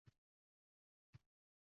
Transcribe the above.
U olam